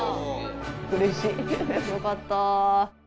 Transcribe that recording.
よかった。